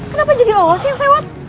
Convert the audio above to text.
kenapa jadi lo sih yang sewat